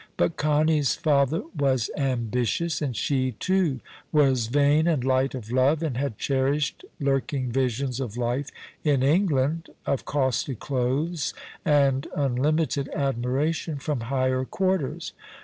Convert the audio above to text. But Connie's father was ambitious ; and she too was vain and light of love, and had cherished lurking visions of life in England, of costly clothes, and unlimited admiration from higher quarters.